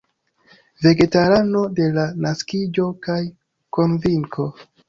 Vegetarano de la naskiĝo kaj konvinko.